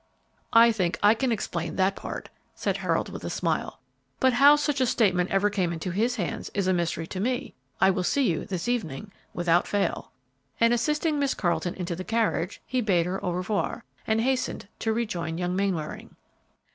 "I think I can explain that part of it," said Harold, with a smile; "but how such a statement ever came into his hands is a mystery to me. I will see you this evening without fail," and, assisting Miss Carleton into the carriage, he bade her au revoir, and hastened to rejoin young Mainwaring.